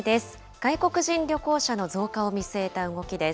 外国人旅行者の増加を見据えた動きです。